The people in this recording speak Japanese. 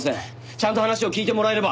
ちゃんと話を聞いてもらえれば！